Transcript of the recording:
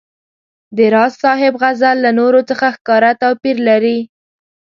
د راز صاحب غزل له نورو څخه ښکاره توپیر لري.